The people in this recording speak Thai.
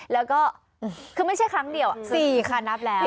แล้วก็คือไม่ใช่ครั้งเดียว๔คันนับแล้ว